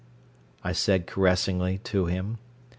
I said caressingly to him.